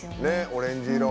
オレンジ色。